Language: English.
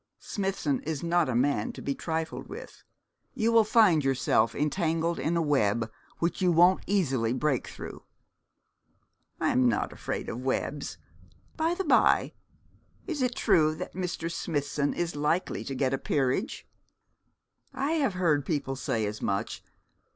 'Smithson is not a man to be trifled with. You will find yourself entangled in a web which you won't easily break through.' 'I am not afraid of webs. By the bye, is it true that Mr. Smithson is likely to get a peerage?' 'I have heard people say as much.